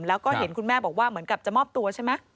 แล้วก็เห็นคุณแม่บอกว่าเหมือนกับจะมอบตัวใช่ไหม